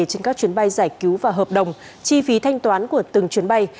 trên các chuyến bay giải cứu và hợp đồng chi phí thanh toán của từng chuyến bay